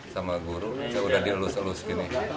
sama guru saya udah dielus elus gini